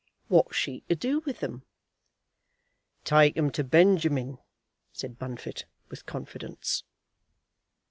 What's she to do with 'em?" "Take 'em to Benjamin," said Bunfit, with confidence.